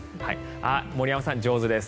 あっ、森山さん上手です。